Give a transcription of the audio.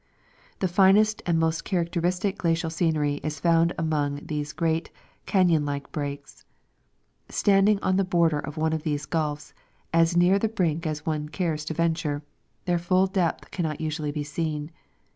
The finest and most characteristic glacial scenery is found among these great canon like breaks. Stand ing on the border of one of the gulfs, as near the brink as one cares to venture, their full depth cannot usually be seen.